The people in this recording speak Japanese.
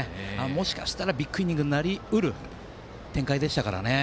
もしかしたらビッグイニングになり得る展開でしたからね。